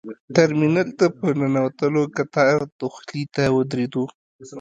ترمینل ته په ننوتلو کتار دخولي ته ودرېدو.